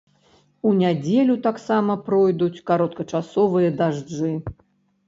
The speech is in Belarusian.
У нядзелю таксама пройдуць кароткачасовыя дажджы.